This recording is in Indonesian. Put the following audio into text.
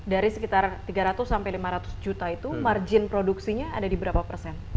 dari sekitar tiga ratus sampai lima ratus juta itu margin produksinya ada di berapa persen